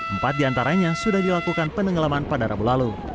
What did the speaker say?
empat diantaranya sudah dilakukan penenggelaman pada rabu lalu